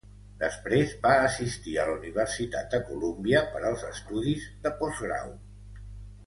Després va assistir a la Universitat de Columbia per als estudis de postgrau.